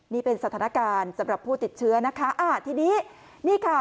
นี่เป็นสถานการณ์สำหรับผู้ติดเชื้อนะคะอ่าทีนี้นี่ค่ะ